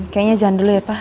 kayaknya jangan dulu ya pak